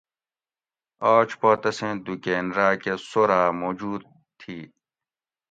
آج پا تسیں دُکین راکہ سورا موجود تھی